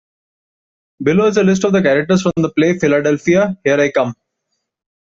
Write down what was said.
Below is a list of the characters from the play Philadelphia, Here I Come!